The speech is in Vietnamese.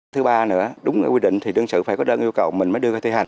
thứ ba nữa đúng quy định thì đương sự phải có đơn yêu cầu mình mới đưa ra thi hành